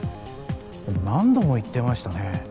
でも何度も言ってましたね